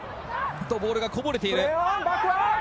ボールがこぼれている。